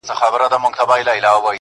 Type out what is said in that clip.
د تکراري حُسن چيرمني هر ساعت نوې يې